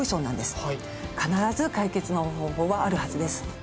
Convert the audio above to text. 必ず解決の方法はあるはずです。